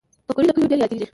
پکورې له کلیو ډېر یادېږي